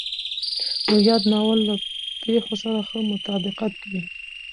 نو ياد ناول له پېښو سره ښه مطابقت کوي.